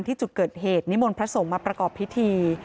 ที่จุดเกิดเหตุนิมนต์พระสงฆ์มาประกอบพิธี